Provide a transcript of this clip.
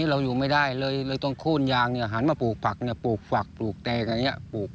ร้อยกิโลได้ไม่ถึง๑๐๐๐บาท